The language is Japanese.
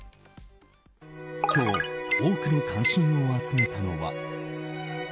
今日多くの関心を集めたのは。